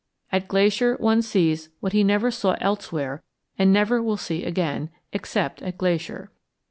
At Glacier one sees what he never saw elsewhere and never will see again except at Glacier.